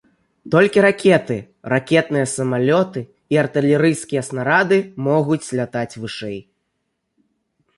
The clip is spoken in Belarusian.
Толькі ракеты, ракетныя самалёты і артылерыйскія снарады могуць лятаць вышэй.